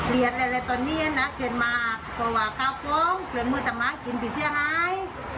แล้วตอนนี้นะเกิดมากว่าคราวโปรงเสือมือตามมากินผิดเสียหาย